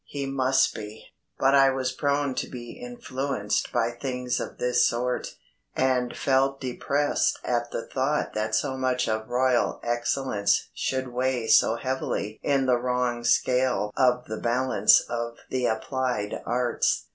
He must be. But I was prone to be influenced by things of this sort, and felt depressed at the thought that so much of royal excellence should weigh so heavily in the wrong scale of the balance of the applied arts.